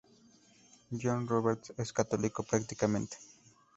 John Roberts es católico practicante.